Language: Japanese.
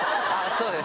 そうです。